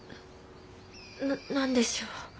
な何でしょう？